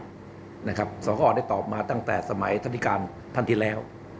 สวัสดีครับสวัสดีครับได้ตอบมาตั้งแต่สมัยธนิการท่านที่แล้ว